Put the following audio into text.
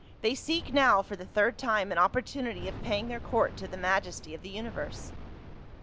They seek now for the third time an opportunity of paying their court to the majesty of the universe."